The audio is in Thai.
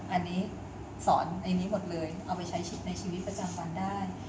อันนี้สอนในนี้หมดเลยเอาไปใช้ในชีวิตประจำวันได้